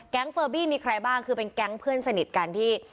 เฟอร์บี้มีใครบ้างคือเป็นแก๊งเพื่อนสนิทกันที่